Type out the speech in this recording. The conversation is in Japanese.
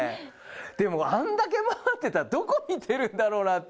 でもあんだけ回ってたらどこ見てるんだろうなって。